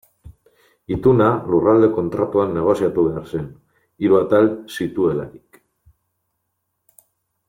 Ituna Lurralde Kontratuan negoziatu behar zen, hiru atal zituelarik.